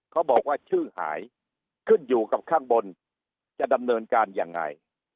เขาบอกว่าชื่อหายขึ้นอยู่กับข้างบนจะดำเนินการยังไง